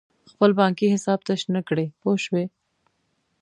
خپل بانکي حساب تش نه کړې پوه شوې!.